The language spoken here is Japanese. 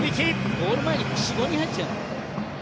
ゴール前に４５人入ってきた。